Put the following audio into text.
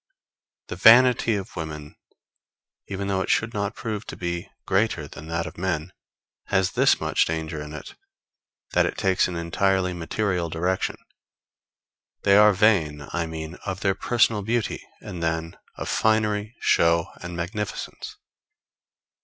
The vanity of women, even though it should not prove to be greater than that of men, has this much danger in it, that it takes an entirely material direction. They are vain, I mean, of their personal beauty, and then of finery, show and magnificence.